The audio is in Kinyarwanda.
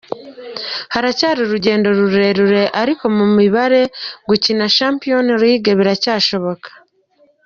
Haracyari urugendo rurerure ariko mu mibare gukina Champions League biracyashoboka.